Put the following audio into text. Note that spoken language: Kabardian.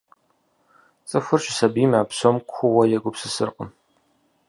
Цӏыхур щысабийм а псом куууэ егупсысыркъым.